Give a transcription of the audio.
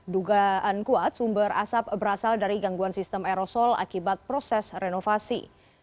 dugaan kuat sumber asap berasal dari gangguan sistem aerosol akibat proses renovasi